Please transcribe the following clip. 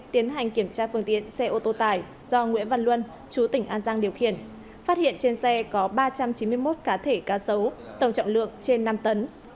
tiến hành kiểm tra phương tiện xe ô tô tải do nguyễn văn luân chú tỉnh an giang điều khiển phát hiện trên xe có ba trăm chín mươi một cá thể cá sấu tổng trọng lượng trên năm tấn